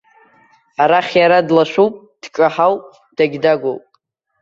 Арахь иара длашәуп, дҿаҳауп, дагьдагәоуп.